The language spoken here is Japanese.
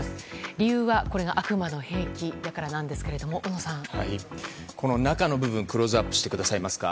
理由は、これが悪魔の兵器だからなんですけどこの中の部分をクローズアップしてくださいますか。